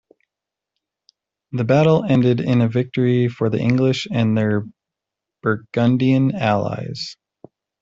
The battle ended in a victory for the English and their Burgundian allies.